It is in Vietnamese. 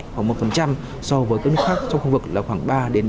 khoảng một so với các nước khác trong khu vực là khoảng ba năm